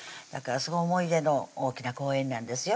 思い出の大きな公園なんですよ